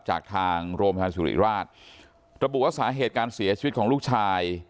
จากทางโรงพยาบาลสุริราชระบุว่าสาเหตุการเสียชีวิตของลูกชาย